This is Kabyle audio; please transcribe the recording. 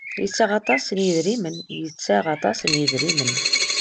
Yettaɣ aṭas n yidrimen.